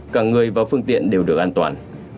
cả người và phương tiện đều được an toàn